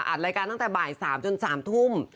อัดรายการตั้งแต่บ่ายสามจนสามทุ่ม